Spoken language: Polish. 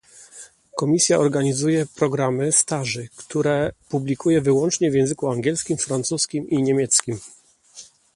Komisja organizuje programy staży, które publikuje wyłącznie w języku angielskim, francuskim i niemieckim